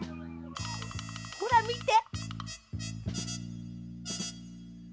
ほらみて！